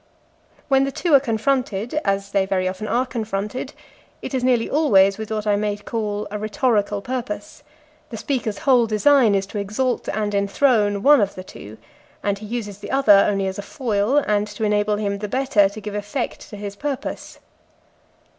When the two are confronted, as they very often are confronted, it is nearly always with what I may call a rhetorical purpose; the speaker's whole design is to exalt and enthrone one of the two, and he uses the other only as a foil and to enable him the better to give effect to his purpose.